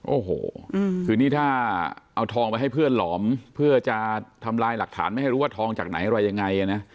โอ้โหคือนี่ถ้าเอาทองไปให้เพื่อนหลอมเพื่อจะทำลายหลักฐานไม่ให้รู้ว่าทองจากไหนอะไรยังไงนะ